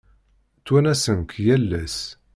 Ttwanasen-k yal ass.